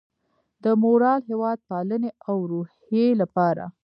د مورال، هیواد پالنې او روحیې لپاره